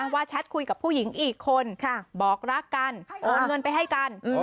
ว่าแชทคุยกับผู้หญิงอีกคนค่ะบอกรักกันเอาเงินไปให้กันอ๋อ